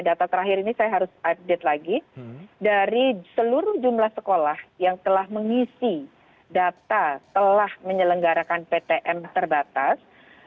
data terakhir ini saya harus update lagi dari seluruh jumlah sekolah yang telah mengisi data telah menyelenggarakan ptm terbatas